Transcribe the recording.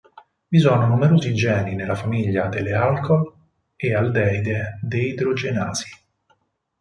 Vi sono numerosi geni nella famiglia delle alcol e aldeide deidrogenasi.